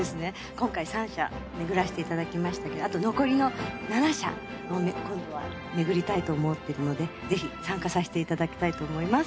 今回三社めぐらせていただきましたけどあと残りの七社を今度はめぐりたいと思ってるのでぜひ参加させていただきたいと思います。